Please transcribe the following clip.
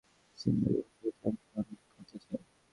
সিম্বাকে প্রতিযোগিতায় অংশগ্রহণ করাতে চাই।